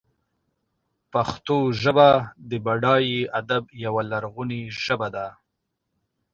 پښتو ژبه د بډای ادب یوه لرغونې ژبه ده.